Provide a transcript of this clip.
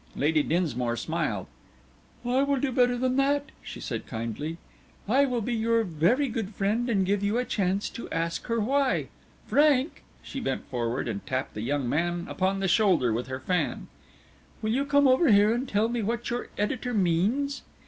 Lady Dinsmore smiled. "I will do better than that," she said kindly. "I will be your very good friend and give you a chance to ask her why. Frank," she bent forward and tapped the young man upon the shoulder with her fan, "will you come over here and tell me what your editor means?"